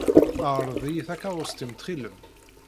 Ṛḍel-iyi takeṛṛust-im ttxilem.